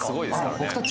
僕たち